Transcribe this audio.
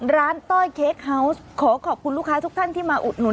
ต้อยเค้กเฮาวส์ขอขอบคุณลูกค้าทุกท่านที่มาอุดหนุน